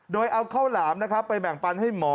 โดยเอาข้าวหลามไปแบ่งปันให้หมอ